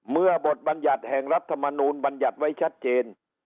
เมื่อบทบรรยัติแห่งรัฐมนูลบรรยัติไว้ชัดเจน